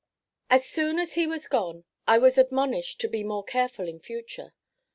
As soon as he was gone, I was admonished to be more careful in future.